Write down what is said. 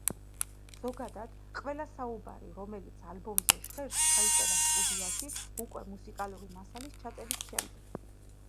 ზოგადად, ყველა საუბარი, რომელიც ალბომზე ჟღერს, ჩაიწერა სტუდიაში, უკვე მუსიკალური მასალის ჩაწერის შემდეგ.